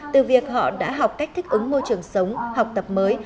từ việc họ đã học cách thích ứng môi trường sống học tập mới